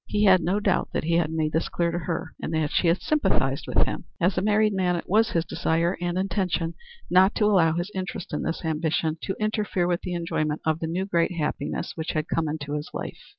He had no doubt that he had made this clear to her and that she sympathized with him. As a married man it was his desire and intention not to allow his interest in this ambition to interfere with the enjoyment of the new great happiness which had come into his life.